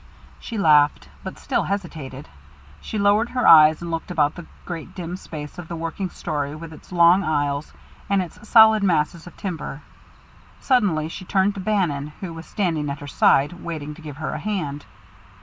She laughed, but still hesitated. She lowered her eyes and looked about the great dim space of the working story with its long aisles and its solid masses of timber. Suddenly she turned to Bannon, who was standing at her side, waiting to give her a hand.